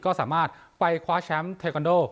ก็สามารถไปคว้าแชมป์เทคอนโด